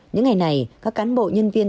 những ngày này các cán bộ nhân viên